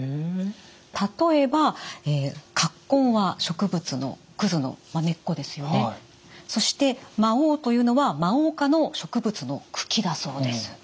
例えば根は植物のの根っこですそして麻黄というのはマオウ科の植物の茎だそうです。